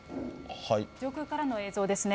上空からの映像ですね。